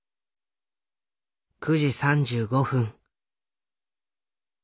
９時３５分。